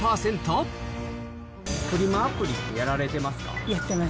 アプリってやられてますか？